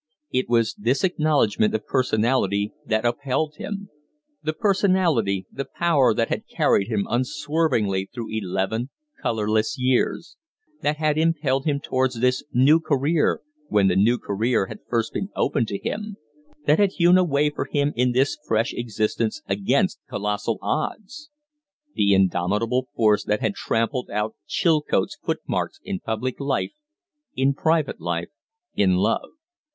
It was this acknowledgment of personality that upheld him; the personality, the power that had carried him unswervingly through eleven colorless years; that had impelled him towards this new career when the new career had first been opened to him; that had hewn a way for him in this fresh existence against colossal odds. The indomitable force that had trampled out Chilcote's footmarks in public life, in private life in love.